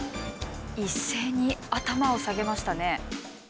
一斉に頭を下げましたね。